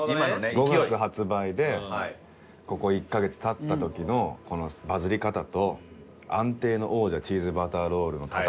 ５月発売でここ１カ月経った時のこのバズり方と安定の王者チーズバタールの戦いなんですよ。